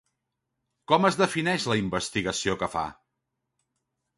Com es defineix la investigació que fa?